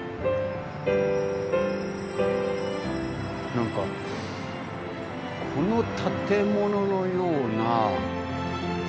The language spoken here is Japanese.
何かこの建物のような。